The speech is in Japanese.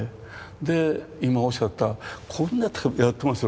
で今おっしゃったこんな手がやってますよね。